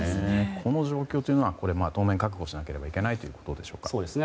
この状況というのは当面覚悟しないといけないということでしょうか。